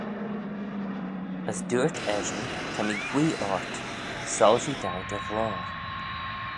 As dooyrt eshyn, Ta mee guee ort, soilshee dou dty ghloyr.